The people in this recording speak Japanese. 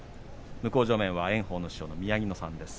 向正面は炎鵬の師匠の宮城野さんです。